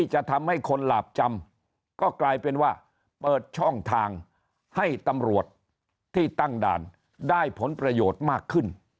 จะทำให้คนหลาบจำก็กลายเป็นว่าเปิดช่องทางให้ตำรวจที่ตั้งด่านได้ผลประโยชน์มากขึ้น